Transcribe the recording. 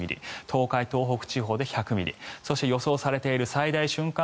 東海、東北地方で１００ミリそして予想されている最大瞬間